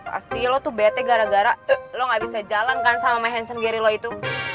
pasti lo tuh bett gara gara lo gak bisa jalan kan sama mansion gary lo itu